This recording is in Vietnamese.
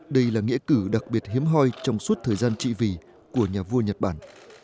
đây là nghĩa cử đặc biệt hiếm hoi trong suốt thời gian trị vị của nhà vua nhật bản